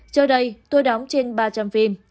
trời đây tôi đóng trên ba trăm linh phim